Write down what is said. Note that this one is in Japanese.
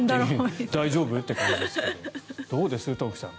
大丈夫？っていう感じですけどどうです、東輝さん。